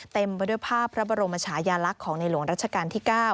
เต็มไปด้วยภาพพระบรมชายาลักษณ์ของในหลวงรัชกาลที่๙